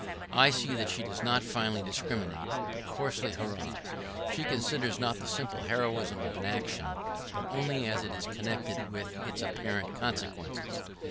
I see that she does not finely discriminate, but coarsely hurrahs. She considers not the simple heroism of an action, but only as it is connected with its apparent consequences.